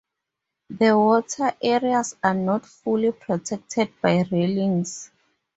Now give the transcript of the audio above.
The water areas are not fully protected by railings.